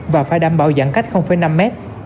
và phải đảm bảo giãn cách năm mét